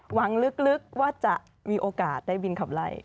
หวังลึกว่าจะมีโอกาสได้บินขับไล่